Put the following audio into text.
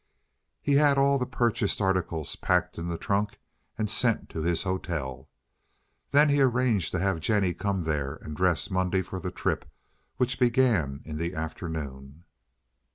He had all the purchased articles packed in the trunk and sent to his hotel. Then he arranged to have Jennie come there and dress Monday for the trip which began in the afternoon.